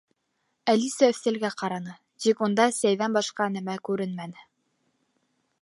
Әлисә өҫтәлгә ҡараны, тик унда сәйҙән башҡа нәмә күренмәне.